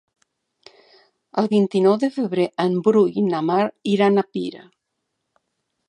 El vint-i-nou de febrer en Bru i na Mar iran a Pira.